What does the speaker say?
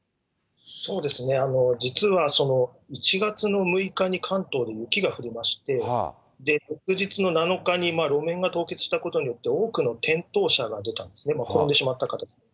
そうですね、実は１月の６日に関東で雪が降りまして、翌日の７日に路面が凍結したことによって、多くの転倒者が出たんですね、転んでしまった方。